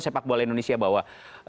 sepak bola indonesia bahwa